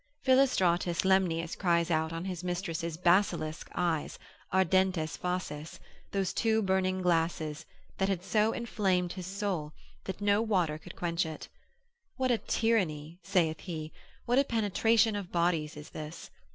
Philostratus Lemnius cries out on his mistress's basilisk eyes, ardentes faces, those two burning glasses, they had so inflamed his soul, that no water could quench it. What a tyranny (saith he), what a penetration of bodies is this!